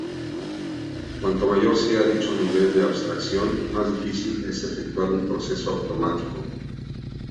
Cuanto mayor sea dicho nivel de abstracción, más difícil es efectuar un proceso automático.